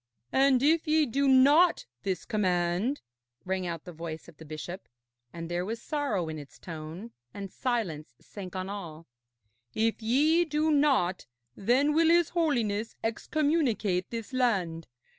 'And if ye do not this command,' rang out the voice of the bishop (and there was sorrow in its tone, and silence sank on all), 'if ye do not, then will his Holiness excommunicate this land.